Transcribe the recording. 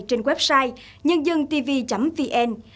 trên website nhândântv vn